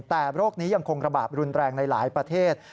แต่โรคนี้ยังคงระบาดรุนแรงในหลายประเทศ